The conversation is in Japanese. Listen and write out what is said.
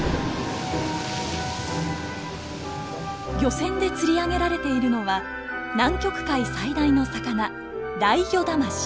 漁船で釣り上げられているのは南極海最大の魚ライギョダマシ。